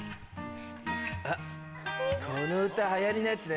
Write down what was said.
あっこの歌流行りのやつね